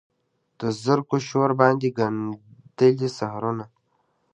د زرکو شور باندې ګندلې سحرونه